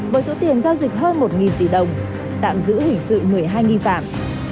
với số tiền giao dịch hơn một tỷ đồng tạm giữ hình sự một mươi hai nghi phạm